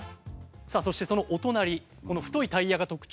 さあそしてそのお隣この太いタイヤが特徴の。